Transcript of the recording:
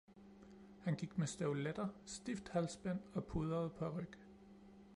han gik med støvletter, stift halsbind og pudret paryk.